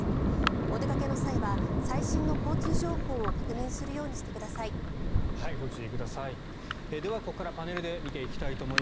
お出かけの際は最新の交通情報を確認するようにしてください。